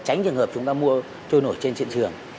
tránh trường hợp chúng ta mua trôi nổi trên thị trường